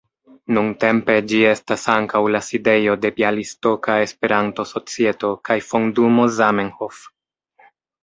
Nuntempe ĝi estas ankaŭ la sidejo de Bjalistoka Esperanto-Societo kaj Fondumo Zamenhof.